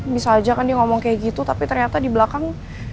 bisa aja kan dia ngomong kayak gitu tapi ternyata di belakang